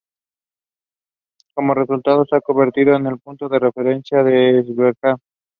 It is today in the Indian Museum in Kolkata.